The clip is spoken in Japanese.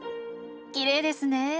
きれいですね。